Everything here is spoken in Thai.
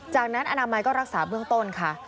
จากนั้นอนามัยก็รักษาเบื้องต้นค่ะ